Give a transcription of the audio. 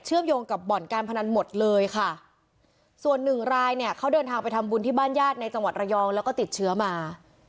โยงกับบ่อนการพนันหมดเลยค่ะส่วนหนึ่งรายเนี่ยเขาเดินทางไปทำบุญที่บ้านญาติในจังหวัดระยองแล้วก็ติดเชื้อมา